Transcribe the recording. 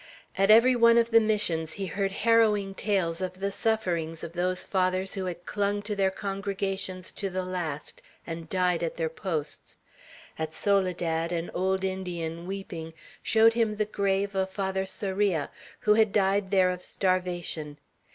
At every one of the Missions he heard harrowing tales of the sufferings of those Fathers who had clung to their congregations to the last, and died at their posts. At Soledad an old Indian, weeping, showed him the grave of Father Sarria, who had died there of starvation.